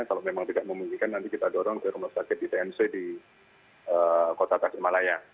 kalau memang tidak memungkinkan nanti kita dorong ke rumah sakit di tnc di kota tasikmalaya